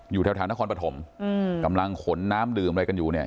อยู่แถวนครปฐมกำลังขนน้ำดื่มอะไรกันอยู่เนี่ย